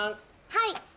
はい！